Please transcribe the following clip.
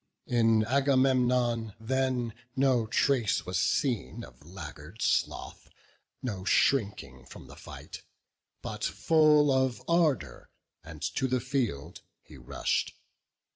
In Agamemnon then no trace was seen Of laggard sloth, no shrinking from the fight, But full of ardour to the field he rush'd.